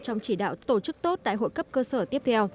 trong chỉ đạo tổ chức tốt đại hội cấp cơ sở tiếp theo